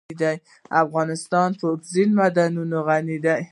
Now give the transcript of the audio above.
افغانستان په اوبزین معدنونه غني دی.